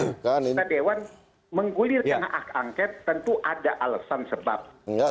karena dewan menggulirkan hak angket tentu ada alasan sebab